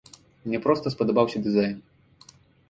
Мне проста спадабаўся дызайн.